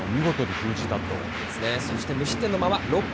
そして無失点のまま、６回。